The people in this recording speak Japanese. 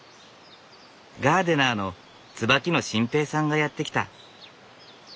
ガーデナーの椿野晋平さんがやって来た。